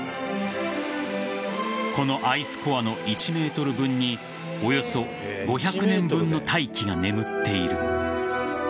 このアイスコアの１ｍ分におよそ５００年分の大気が眠っている。